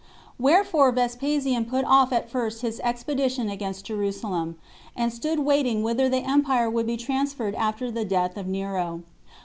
Wherefore Vespasian put off at first his expedition against Jerusalem, and stood waiting whither the empire would be transferred after the death of Nero.